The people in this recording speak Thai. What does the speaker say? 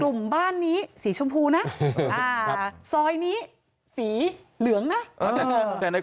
กลุ่มบ้านนี้สีชมพูนะ